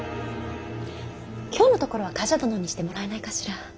今日のところは冠者殿にしてもらえないかしら。